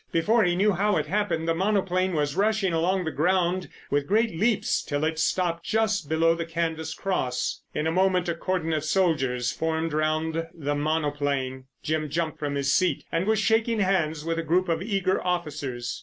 Before he knew how it happened the monoplane was rushing along the ground with great leaps, till it stopped just beyond the canvas cross. In a moment a cordon of soldiers formed round the monoplane. Jim jumped from his seat and was shaking hands with a group of eager officers.